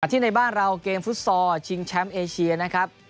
หลังจากที่ในบ้านเราเกมฟุฟสทรอดชิงแชมป์เอเชียนะครับ